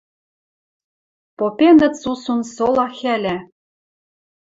Попенӹт сусун сола хӓлӓ: